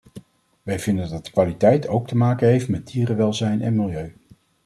Wij vinden dat kwaliteit ook te maken heeft met dierenwelzijn en milieu.